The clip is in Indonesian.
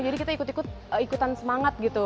jadi kita ikutan semangat gitu